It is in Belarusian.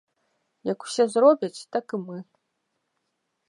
Як усе зробяць, так і мы!